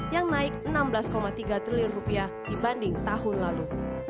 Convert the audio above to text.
yang naik rp enam belas tiga triliun dibanding tahun lalu